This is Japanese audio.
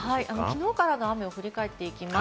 きのうからの雨を振り返っていきます。